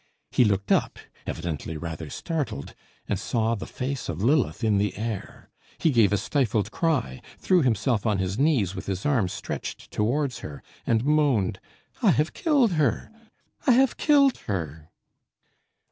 He looked up, evidently rather startled, and saw the face of Lilith in the air: He gave a stifled cry threw himself on his knees with his arms stretched towards her, and moaned "I have killed her! I have killed her!"